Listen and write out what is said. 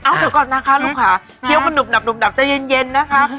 เอาเดี๋ยวก่อนนะคะลูกค้าเคี้ยวก็หนุบหนับหุบหับจะเย็นนะคะ